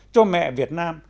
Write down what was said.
cho mẹ việt nam